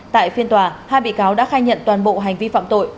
tại phiên tòa hai bị cáo đã khai nhận toàn bộ hành vi phạm tội